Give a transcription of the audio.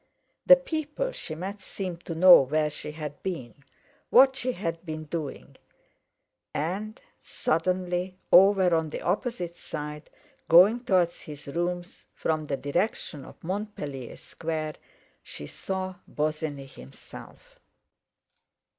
The people she met seemed to know where she had been, what she had been doing; and suddenly—over on the opposite side, going towards his rooms from the direction of Montpellier Square—she saw Bosinney himself.